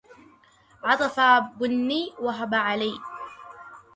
عطفا بني وهب علي